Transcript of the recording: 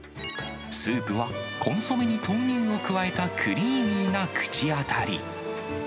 スープはコンソメに豆乳を加えたクリーミーな口当たり。